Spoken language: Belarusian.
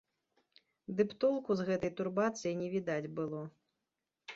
Ды б толку з гэтай турбацыі не відаць было.